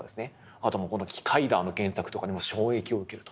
あと「キカイダー」の原作とかにも衝撃を受けると。